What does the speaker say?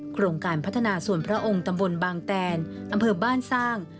โครงการพัฒนาส่วนพระองค์ตำบลบางแตนอำเภอบ้านสร้าง